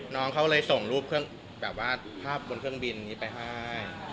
น้องเขาเลยส่งรูปเครื่องแบบว่าภาพบนเครื่องบินนี้ไปให้